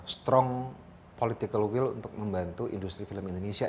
strong political will untuk membantu industri film indonesia